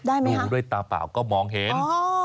ได้ไหมครับดูด้วยตาเปล่าก็มองเห็นอ๋อ